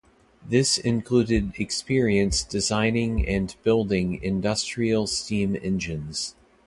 This included experience designing and building industrial steam engines.